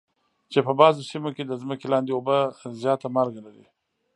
چې په بعضو سیمو کې د ځمکې لاندې اوبه زیاته مالګه لري.